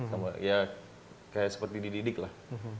kayak seperti dididik lah